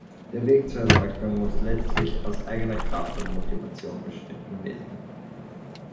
Der Weg zur Erleuchtung muss letztlich aus eigener Kraft und Motivation beschritten werden.